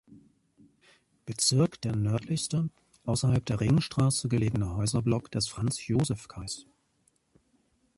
Bezirk der nördlichste, außerhalb der Ringstraße gelegene Häuserblock des Franz-Josefs-Kais.